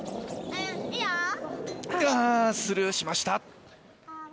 ああ、スルーしました。